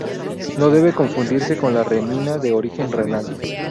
No debe confundirse con la renina de origen renal.